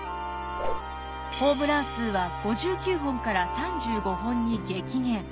ホームラン数は５９本から３５本に激減。